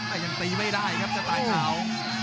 แต่ยังตีไม่ได้ครับกระต่ายขาว